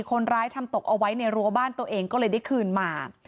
คนร้ายทำตกเอาไว้ในรั้วบ้านตัวเองก็เลยได้คืนมา